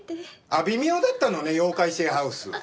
あっ微妙だったのね『妖怪シェアハウス』。